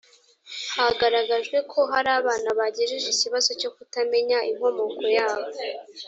hagaragajwe ko hari abana bagejeje ikibazo cyo kutamenya inkomoko yabo